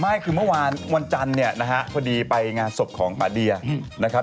ไม่คือเมื่อวานวันจันทร์เนี่ยนะฮะพอดีไปงานศพของป่าเดียนะครับ